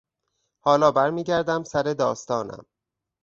حالا برمیگردم سر داستانم.